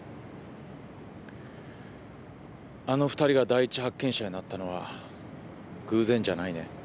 あの２人が第一発見者になったのは偶然じゃないね。